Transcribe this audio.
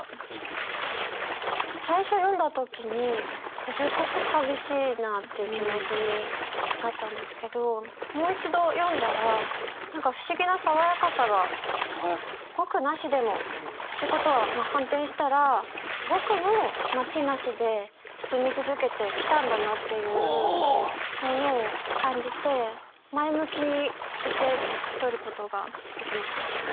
最初読んだ時にすごく寂しいなっていう気持ちになったんですけどもう一度読んだら「ぼくなしでも」っていうことは反転したらぼくも街なしで住み続けてきたんだなっていうものを感じて前向きに受け取ることができました。